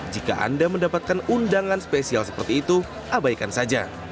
jika anda mendapatkan undangan spesial seperti itu abaikan saja